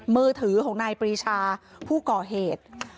มือถือของนายปรีชาผู้ก่อเหตุ